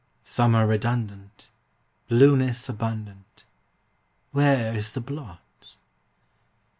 Summer redundant, Blueness abundant, Where is the blot?